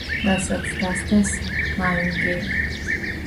რასაც დასთეს მაიმკი